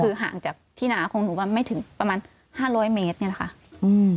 คือห่างจากที่หนาของหนูมาไม่ถึงประมาณห้าร้อยเมตรเนี่ยแหละค่ะอืม